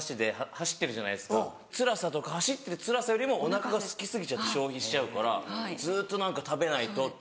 走ってるじゃないですか走ってるつらさよりもお腹がすき過ぎちゃって消費しちゃうからずっと何か食べないとって。